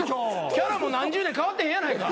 キャラも何十年変わってへんやないか。